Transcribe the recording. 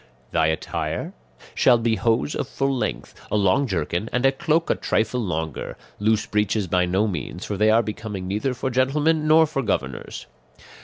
"Thy attire shall be hose of full length, a long jerkin, and a cloak a trifle longer; loose breeches by no means, for they are becoming neither for gentlemen nor for governors.